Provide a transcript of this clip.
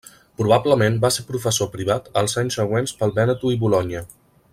Probablement va ser professor privat els anys següents pel Vèneto i Bolonya.